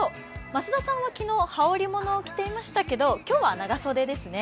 増田さんは昨日羽織り物を着ていましたけど今日は長袖ですね。